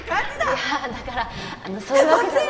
いやだからあのそういうわけじゃ。